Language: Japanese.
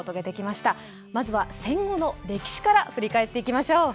まずは戦後の歴史から振り返っていきましょう。